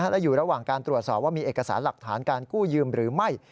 และอยู่ระหว่างการตรวจสอบว่ามีเอกสารหลักฐานการกู้ยืมหรือไม่